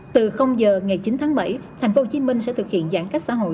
từ giờ ngày chín tháng bảy thành phố hồ chí minh sẽ thực hiện giãn cách xã hội